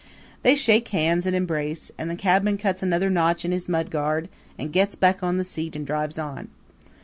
They shake hands and embrace, and the cabman cuts another notch in his mudguard, and gets back on the seat and drives on.